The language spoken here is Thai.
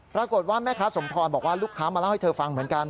ปรากฏว่าแม่ค้าสมพรบอกว่าลูกค้ามาเล่าให้เธอฟังเหมือนกัน